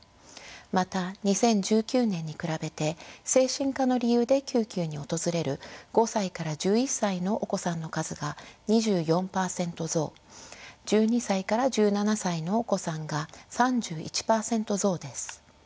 また２０１９年に比べて精神科の理由で救急に訪れる５歳から１１歳のお子さんの数が２４％増１２歳から１７歳のお子さんが３１％増です。